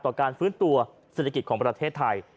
การฟื้นตัวเศรษฐกิจของประเทศไทย